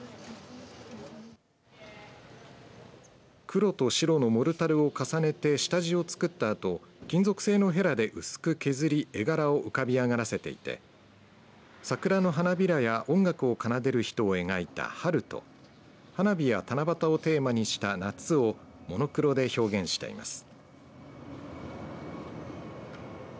黒と白のモルタルを重ねて下地を作ったあと金属製のへらで薄く削り絵柄を浮かび上がらせていて桜の花びらや音楽を奏でる人を描いた春と花火や七夕をテーマにした夏をモノクロで表現しています。